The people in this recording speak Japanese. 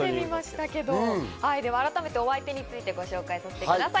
では改めて、お相手についてご紹介させてください。